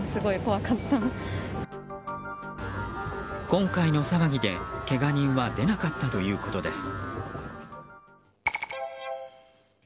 今回の騒ぎで、けが人は出なかったということです。